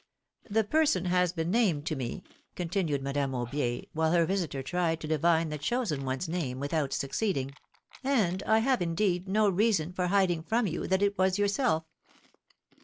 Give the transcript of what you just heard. The person has been named to me,^^ continued Madame Aubier, while her visitor tried to divine the chosen one's name without succeeding; ^^and I have indeed no reason for hiding from you that it was yourself.